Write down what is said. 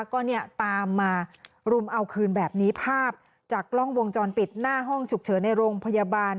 ก็เนี่ยตามมารุมเอาคืนแบบนี้ภาพจากกล้องวงจรปิดหน้าห้องฉุกเฉินในโรงพยาบาล